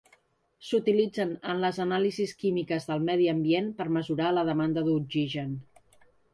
S'utilitzen en les anàlisis químiques del medi ambient, per mesurar la demanda d'oxigen.